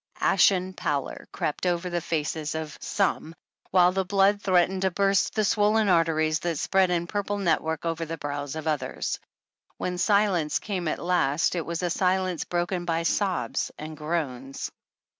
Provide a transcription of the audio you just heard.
Ashen pallor crept over the faces of some, while the blood threatened to burst the swollen arteries that spread in purple network over the brows of others. When silence came at last, it was a silence broken by sobs and groans.